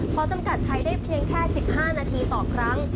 จำกัดใช้ได้เพียงแค่๑๕นาทีต่อครั้ง